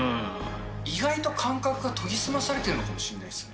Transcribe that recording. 意外と感覚が研ぎ澄まされてるのかもしれないですね。